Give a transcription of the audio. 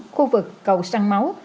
khu vực cầu săn máu